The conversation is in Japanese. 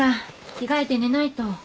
着替えて寝ないと。